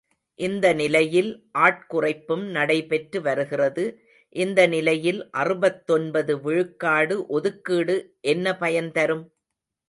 இந்த நிலையில் ஆட்குறைப்பும் நடைபெற்று வருகிறது, இந்த நிலையில் அறுபத்தொன்பது விழுக்காடு ஒதுக்கீடு என்ன பயன் தரும்?